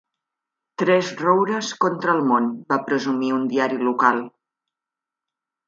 "Tres roures contra el món", va presumir un diari local.